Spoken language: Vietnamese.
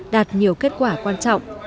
đạt nhiều kết quả quan trọng